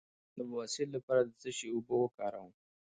د بواسیر لپاره د څه شي اوبه وکاروم؟